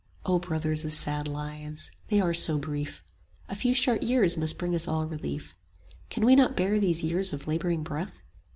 O Brothers of sad lives! they are so brief; A few short years must bring us all relief: 80 Can we not bear these years of laboring breath?